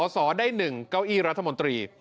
สอได้๑เก้าอี้รัฐมนตรี